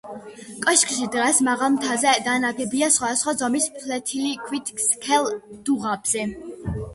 კოშკი დგას მაღალ მთაზე და ნაგებია სხვადასხვა ზომის ფლეთილი ქვით სქელ დუღაბზე.